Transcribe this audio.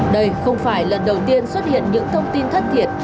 đây không phải lần đầu tiên xuất hiện những thông tin thất thiệt